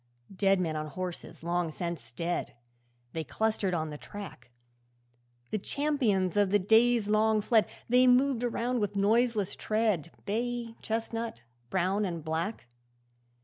'Dead men on horses long since dead, They clustered on the track; The champions of the days long fled, They moved around with noiseless tread Bay, chestnut, brown, and black.